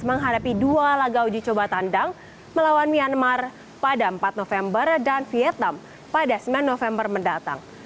menghadapi dua laga uji coba tandang melawan myanmar pada empat november dan vietnam pada sembilan november mendatang